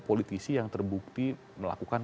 politisi yang terbukti melakukan